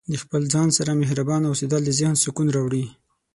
د خپل ځان سره مهربانه اوسیدل د ذهن سکون راوړي.